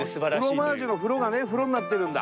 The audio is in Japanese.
フロマージュの「フロ」がね「風呂」になってるんだ。